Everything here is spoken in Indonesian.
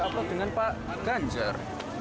kita upload dengan pak ganjar